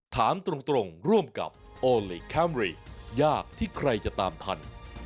ถามตรงร่วมกับโอลี่คัมรี่ยากที่ใครจะตามทัน